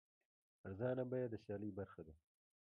ارزانه بیه د سیالۍ برخه ده.